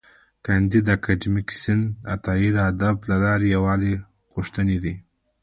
کانديد اکاډميسن عطایي د ادب له لارې یووالی غوښتی دی.